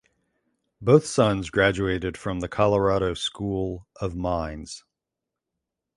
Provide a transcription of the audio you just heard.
Both sons graduated from the Colorado School of Mines.